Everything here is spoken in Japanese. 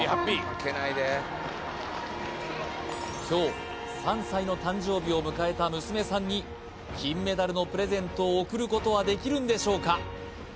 今日３歳の誕生日を迎えた娘さんに金メダルのプレゼントを贈ることはできるんでしょうか？